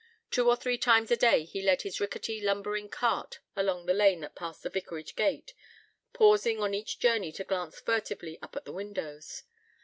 Two or three times a day he led his rickety, lumbering cart along the lane that passed the vicarage gate, pausing on each journey to glance furtively up at the windows.